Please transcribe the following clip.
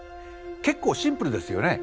結構シンプルですよね。